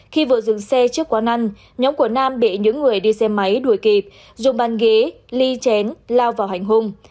khi vừa dừng xe trước quán ăn nhóm của nam bị những người đi xe máy đuổi kịp dùng bàn ghế ly chén lao vào hành hung